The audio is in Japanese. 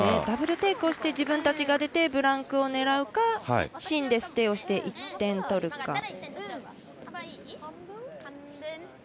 ダブルテイクして自分たちが出てブランクを狙うか芯でステイをして１点を取るか。